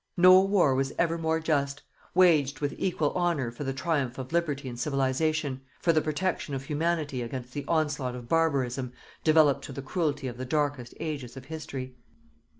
No war was ever more just, waged with equal honour for the triumph of Liberty and Civilization, for the protection of Humanity against the onslaught of barbarism developed to the cruelty of the darkest ages of History.